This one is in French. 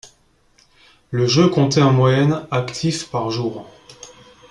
Le jeu comptait en moyenne actifs par jours.